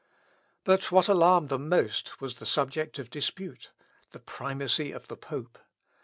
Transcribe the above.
But what alarmed them most was the subject of dispute the primacy of the pope!...